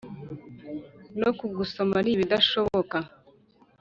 No kugusoma ari ibidashoboka